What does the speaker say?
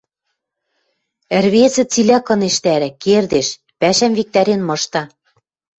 Ӹрвезӹ цилӓ кынештӓрӓ, кердеш, пӓшӓм виктарен мышта.